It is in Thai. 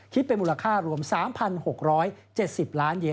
เป็นมูลค่ารวม๓๖๗๐ล้านเยน